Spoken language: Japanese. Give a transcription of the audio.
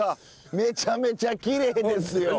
めちゃめちゃきれいですよ！